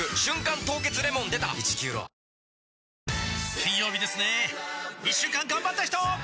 金曜日ですね一週間がんばった人！